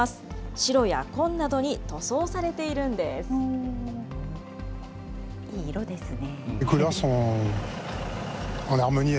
白や紺などに塗装されているんでいい色ですね。